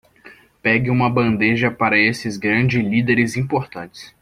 Pegue uma bandeja para esses grandes líderes importantes.